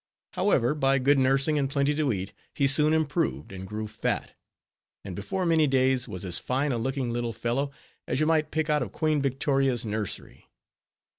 However, by good nursing and plenty to eat, he soon improved and grew fat; and before many days was as fine a looking little fellow, as you might pick out of Queen Victoria's nursery.